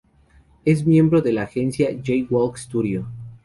Es miembro de la agencia "Jay Walk Studio".